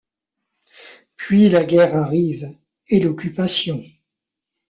Puis la guerre arrive, et l'Occupation.